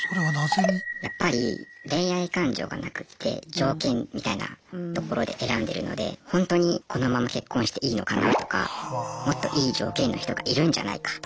やっぱり恋愛感情がなくて条件みたいなところで選んでるのでほんとにこのまま結婚していいのかなとかもっといい条件の人がいるんじゃないかとか。